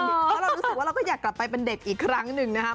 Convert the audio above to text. เพราะเรารู้สึกว่าเราก็อยากกลับไปเป็นเด็กอีกครั้งหนึ่งนะครับ